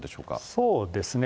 そうですね。